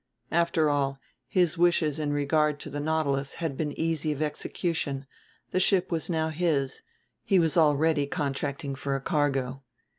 After all, his wishes in regard to the Nautilus had been easy of execution, the ship was now his; he was already contracting for a cargo.